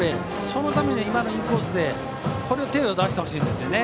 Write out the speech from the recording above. そのためには今のインコースに手を出してほしいんですね。